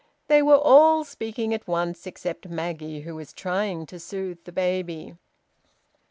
They were all speaking at once, except Maggie, who was trying to soothe the baby.